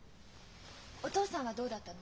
お父さんはどうだったの？